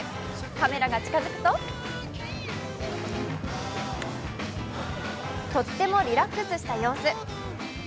カメラが近付くととってもリラックスした様子。